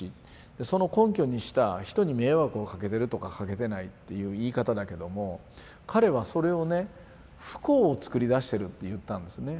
その根拠にした「人に迷惑をかけてる」とか「かけてない」っていう言い方だけども彼はそれをね「不幸を作り出してる」って言ったんですね。